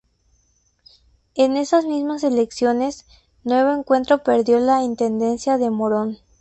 En esas mismas elecciones, Nuevo Encuentro perdió la intendencia de Morón.